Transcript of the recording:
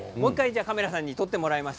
カメラさんに撮ってもらいます。